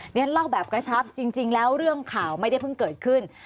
เรียนเล่าแบบกระชับจริงแล้วเรื่องข่าวไม่ได้เพิ่งเกิดขึ้น